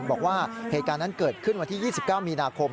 บอกว่าเหตุการณ์นั้นเกิดขึ้นวันที่๒๙มีนาคม